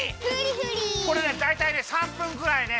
これねだいたいね３分ぐらいね